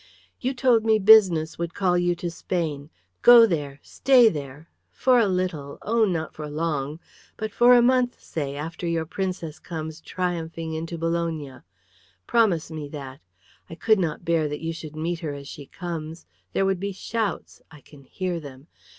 "You told me business would call you to Spain. Go there! Stay there! For a little oh, not for long! But for a month, say, after your Princess comes triumphing into Bologna. Promise me that! I could not bear that you should meet her as she comes. There would be shouts; I can hear them.